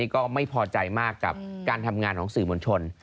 ก็ไม่พอใจมากกับการทำงานของสื่อมวลชน